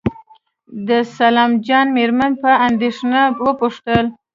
د سلام جان مېرمن په اندېښنه وپوښتل.